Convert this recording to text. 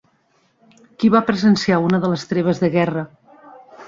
Qui va presenciar una de les treves de guerra?